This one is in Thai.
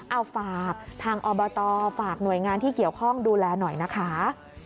เอาฝากทางอบตฝากหน่วยงานที่เกี่ยวข้องดูแลหน่อยนะคะ